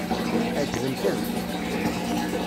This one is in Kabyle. Ɛeǧben-kem?